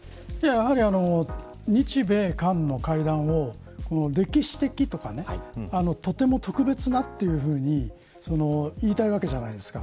やはり、日米韓の会談を歴史的とかとても特別な、というふうに言いたいわけじゃないですか。